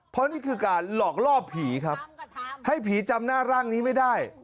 เพราะนี่คือการหลอกล่อผีครับให้ผีจำหน้าร่างนี้ไม่ได้